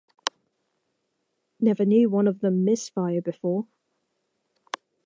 Never knew one of them missfire before.